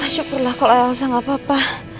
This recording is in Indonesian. syukurlah kalau elsa gak apa apa